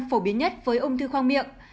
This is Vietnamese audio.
phổ biến nhất với ung thư khoang miệng